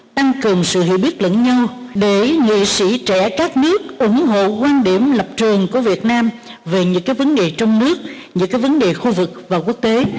tăng cường sự hiểu biết lẫn nhau để nghị sĩ trẻ các nước ủng hộ quan điểm lập trường của việt nam về những vấn đề trong nước những vấn đề khu vực và quốc tế